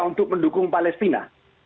untuk mendukung palestina